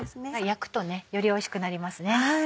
焼くとねよりおいしくなりますね。